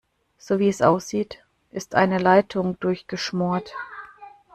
So wie es aussieht, ist eine Leitung durchgeschmort.